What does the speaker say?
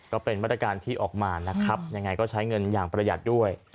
ก็เป็นมาตรการที่ออกมานะครับยังไงก็ใช้เงินอย่างประหยัดด้วย